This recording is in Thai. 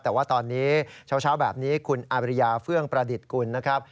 แต่ว่าตอนนี้เช้าแบบนี้คุณอาบริยาเฟื่องประดิษฐ์กุลนะครับ